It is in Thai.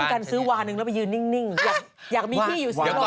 คุณกันซื้อวาหนึ่งแล้วไปยืนนิ่งอยากมีพี่อยู่สีลม